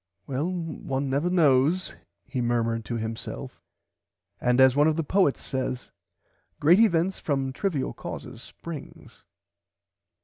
Well one never knows he murmerd to himself and as one of the poets says great events from trivil causes springs.